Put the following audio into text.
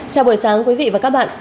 chào buổi sáng quý vị và các bạn